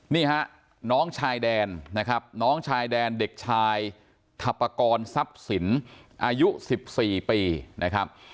นี่ฮะน้องชายแดนนะครับน้องชายแดนเด็กชายถัปกรทรัพย์สินอายุ๑๔ปีนะครับ